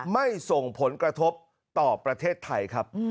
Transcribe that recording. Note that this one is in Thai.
ไม่ส่งผลกระทบต่อประเทศไทยครับ